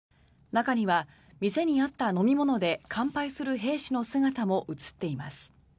中には店にあった飲み物で乾杯する兵士の姿も映っています。